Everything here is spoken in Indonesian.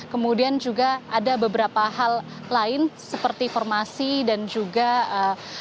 kemudian juga ada beberapa hal lain seperti formasi dan juga ee